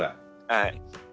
はい。